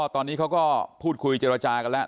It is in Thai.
ตอนนี้เขาก็พูดคุยเจรจากันแล้ว